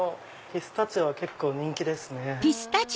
ピスタチオは結構人気ですね。